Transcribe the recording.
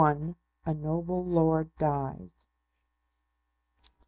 A Noble Lord Dies.